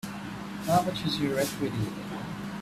How much is your equity in it?